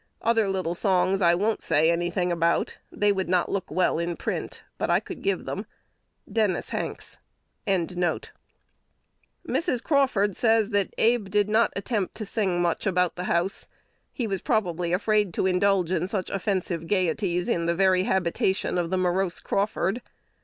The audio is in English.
Other little songs I won't say any thing about: they would not look well in print; but I could give them." Dennis Hanks. Mrs. Crawford says, that Abe did not attempt to sing much about the house: he was probably afraid to indulge in such offensive gayeties in the very habitation of the morose Crawford.